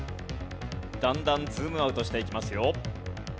だんだんズームアウトしていきますよ。